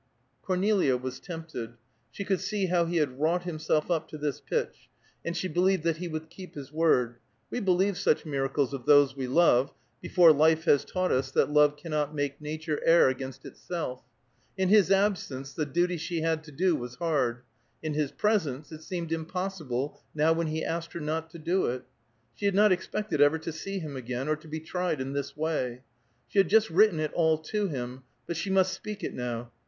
Cornelia was tempted. She could see how he had wrought himself up to this pitch, and she believed that he would keep his word; we believe such miracles of those we love, before life has taught us that love cannot make nature err against itself. In his absence the duty she had to do was hard; in his presence it seemed impossible, now when he asked her not to do it. She had not expected ever to see him again, or to be tried in this way. She had just written it all to him, but she must speak it now.